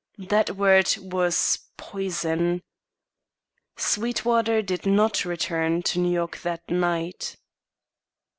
That word was: Poison. Sweetwater did not return to New York that night.